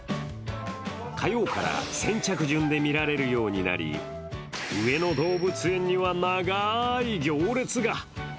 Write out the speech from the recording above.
火曜から先着順で見られるようになり上野動物園には長い行列が。